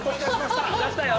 出したよ。